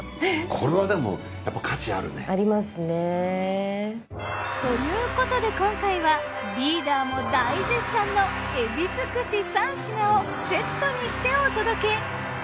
これはでも価値あるね。ありますね。ということで今回はリーダーも大絶賛の海老づくし３品をセットにしてお届け。